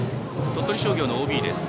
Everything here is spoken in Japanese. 鳥取商業のＯＢです。